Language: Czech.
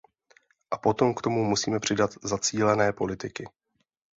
A potom k tomu musíme přidat zacílené politiky.